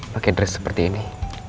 pakai dress seperti ini